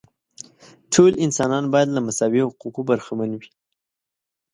ټول انسانان باید له مساوي حقوقو برخمن وي.